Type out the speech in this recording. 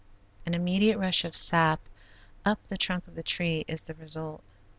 An immediate rush of sap up the trunk of the tree is the result.